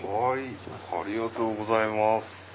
ありがとうございます。